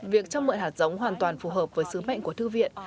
việc cho mượn hạt giống hoàn toàn phù hợp với sứ mệnh của thư viện